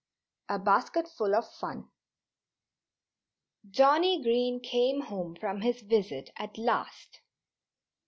XV A BASKETFUL OF FUN Johnnie Green came home from his visit at last.